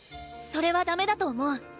それはダメだと思う。